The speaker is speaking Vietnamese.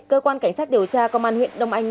cơ quan cảnh sát điều tra công an huyện đông anh